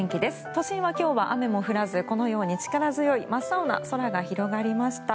都心は今日は雨も降らずこのように力強い真っ青な空が広がりました。